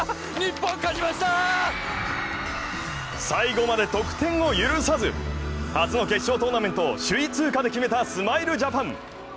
最後まで得点を許さず、初の決勝トーナメント首位通過で決めたスマイルジャパン。